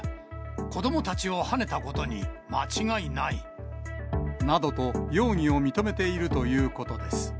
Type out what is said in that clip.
子どもたちをはねたことに間違いなどと、容疑を認めているということです。